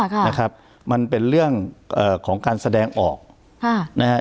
ค่ะนะครับมันเป็นเรื่องเอ่อของการแสดงออกค่ะนะฮะ